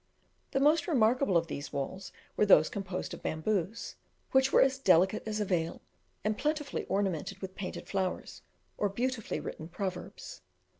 The most remarkable of these walls were those composed of bamboos, which were as delicate as a veil, and plentifully ornamented with painted flowers, or beautifully written proverbs.